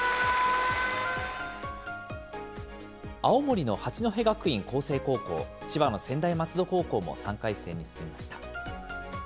青森の八戸学院光星高校、千葉の専大松戸高校も３回戦に進みました。